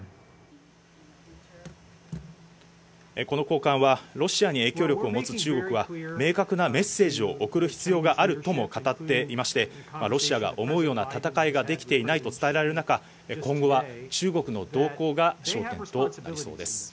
この高官は、ロシアに影響力を持つ中国は、明確なメッセージを送る必要があるとも語っていまして、ロシアが思うような戦いができていないと伝えられる中、今後は中国の動向が焦点となりそうです。